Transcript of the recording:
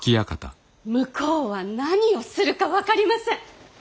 向こうは何をするか分かりません！